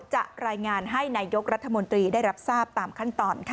จะรายงานให้นายกรัฐมนตรีได้รับทราบตามขั้นตอนค่ะ